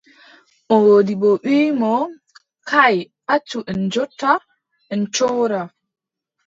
Moodibbo wii mo : kaay, accu en njotta, en cooda.